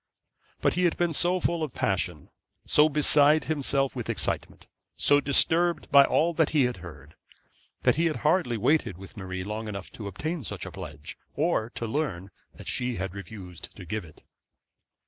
But he had been so full of passion, so beside himself with excitement, so disturbed by all that he had heard, that he had hardly waited with Marie long enough to obtain such pledge, or to learn from her that she refused to give it.